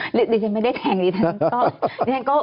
ดิฉันไม่ได้แทงดิฉัน